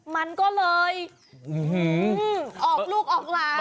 มันก็เลยออกลูกออกหลาน